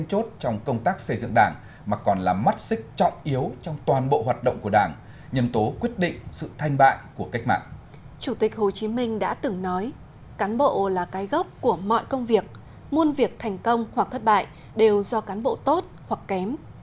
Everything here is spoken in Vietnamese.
chủ tịch hồ chí minh đã từng nói cán bộ là cái gốc của mọi công việc muôn việc thành công hoặc thất bại đều do cán bộ tốt hoặc kém